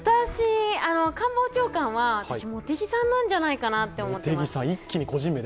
官房長官は私は茂木さんなんじゃないかと思います。